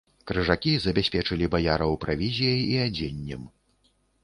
Крыжакі забяспечылі баяраў правізіяй і адзеннем.